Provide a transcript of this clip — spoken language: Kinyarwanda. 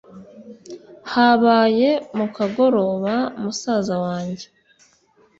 habaye mukagoroba musaza wanjye